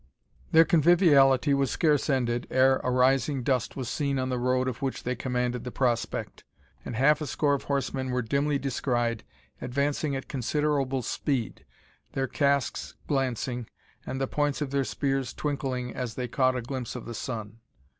Their conviviality was scarce ended, ere a rising dust was seen on the road of which they commanded the prospect, and half a score of horsemen were dimly descried advancing at considerable speed, their casques glancing, and the points of their spears twinkling as they caught a glimpse of the sun.